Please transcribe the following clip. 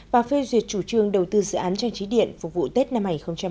và phê duyệt chủ trương đầu tư dự án trang trí điện phục vụ tết năm hai nghìn hai mươi